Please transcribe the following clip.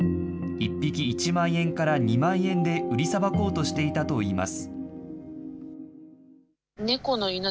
１匹１万円から２万円で売りさばこうとしていたといいます。